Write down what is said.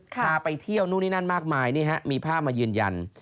พาไปเที่ยวนู่นนี่นั่นมากมายนี่ฮะมีภาพมายืนยัน